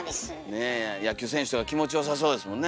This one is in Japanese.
ねえ野球選手とか気持ちよさそうですもんね